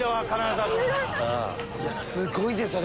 すごいですよ